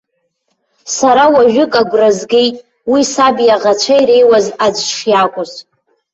Сара уажәык агәра згеит, уи саб иаӷацәа иреиуаз аӡә шиакәыз.